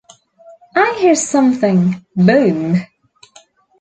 I hear something, boom!